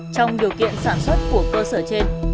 trong điều kiện sản xuất của cơ sở trên